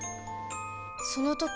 その時